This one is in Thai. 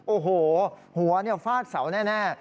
โอ้โหหัวฟาดเสาแน่